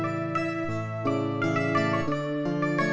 ke rumah kita bisa bekerja